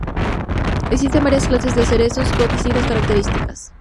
Existen varias clases de cerezos, con distintas características.